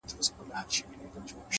خوبيا هم ستا خبري پټي ساتي ـ